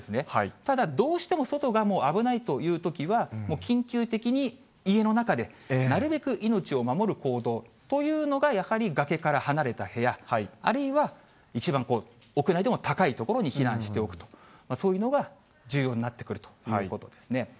ただ、どうしても外が、もう危ないというときは、もう緊急的に家の中で、なるべく命を守る行動というのがやはり、崖から離れた部屋、あるいは一番、屋内でも高い所に避難しておくと、そういうのが重要になってくるということですね。